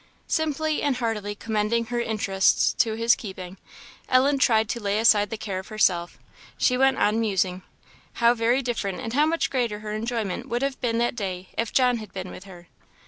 Simply and heartily commending her interests to his keeping, Ellen tried to lay aside the care of herself. She went on musing; how very different and how much greater her enjoyment would have been that day if John had been with her!